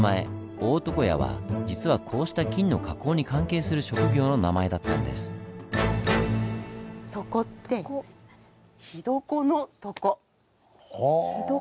「大床屋」は実はこうした金の加工に関係する職業の名前だったんです。はあ。